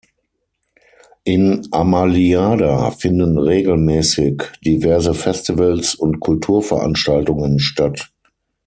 In Amaliada finden regelmäßig diverse Festivals und Kulturveranstaltungen statt.